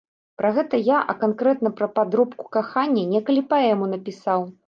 Пра гэта я, а канкрэтна пра падробку кахання, некалі паэму напісаў.